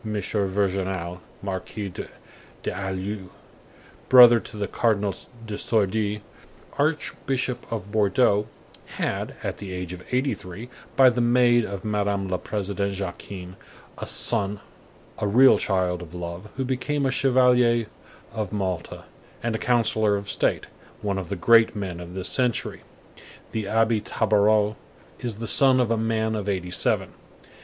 Virginal, Marquis d'Alluye, brother to the Cardinal de Sourdis, Archbishop of Bordeaux, had, at the age of eighty three, by the maid of Madame la Présidente Jacquin, a son, a real child of love, who became a Chevalier of Malta and a counsellor of state; one of the great men of this century, the Abbé Tabaraud, is the son of a man of eighty seven.